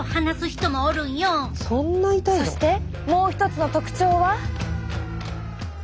そしてもう一つの特徴は。